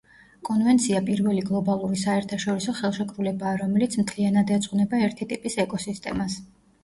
კონვენცია პირველი გლობალური საერთაშორისო ხელშეკრულებაა, რომელიც მთლიანად ეძღვნება ერთი ტიპის ეკოსისტემას.